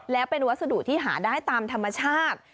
และเป็นวัสดุที่หาได้ตามธรรมชาติ